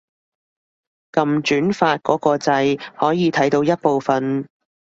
撳轉發嗰個掣可以睇到一部分